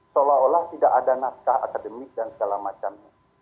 seolah olah tidak ada naskah akademik dan segala macamnya